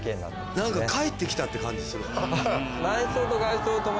何か帰って来たって感じする。